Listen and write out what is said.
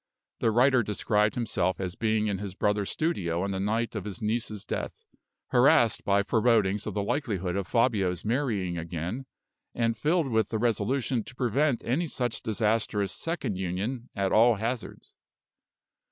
The writer described himself as being in his brother's studio on the night of his niece's death, harassed by forebodings of the likelihood of Fabio's marrying again, and filled with the resolution to prevent any such disastrous second union at all hazards.